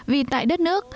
vì tại đất nước